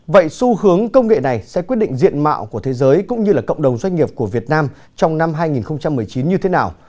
vậy xu hướng công nghệ này sẽ quyết định diện mạo của thế giới cũng như là cộng đồng doanh nghiệp của việt nam trong năm hai nghìn một mươi chín như thế nào